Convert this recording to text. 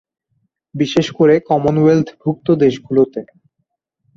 বিশেষ করে কমনওয়েলথ ভুক্ত দেশগুলোতে।